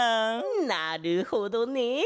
なるほどね！